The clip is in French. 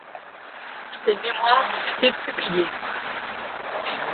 Ses mémoires ont été publiées.